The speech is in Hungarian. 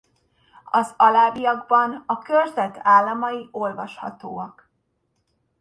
Az alábbiakban a körzet államai olvashatóak.